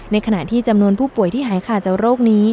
ขณะที่จำนวนผู้ป่วยที่หายขาดจากโรคนี้